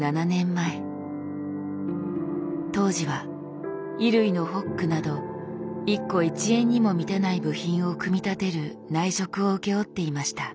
当時は衣類のホックなど１個１円にも満たない部品を組み立てる内職を請け負っていました。